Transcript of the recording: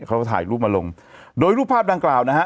เขาก็ถ่ายรูปมาลงโดยรูปภาพดังกล่าวนะฮะ